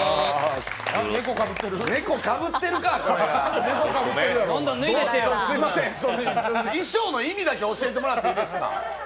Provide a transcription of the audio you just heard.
猫かぶってるか、これが！すみません、衣装の意味だけ教えてもらっていいですか？